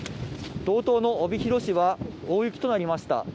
道東の帯広市は大雪となりました。